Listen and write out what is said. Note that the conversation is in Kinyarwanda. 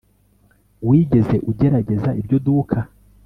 wigeze ugerageza iryo duka